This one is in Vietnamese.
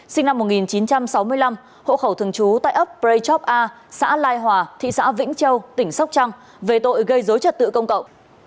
sinh năm một nghìn chín trăm sáu mươi năm hộ khẩu thường trú tại ấp prey chop a xã lai hòa thị xã vĩnh châu tỉnh sóc trăng về tội gây dối trật tự công cộng